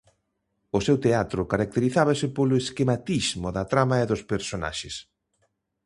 O seu teatro caracterízase polo esquematismo da trama e dos personaxes.